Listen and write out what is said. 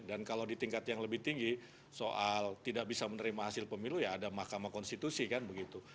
dan kalau di tingkat yang lebih tinggi soal tidak bisa menerima hasil pemilu ya ada mahkamah konstitusi kan begitu